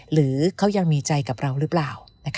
หรือเขายังมีใจกับเราหรือเปล่า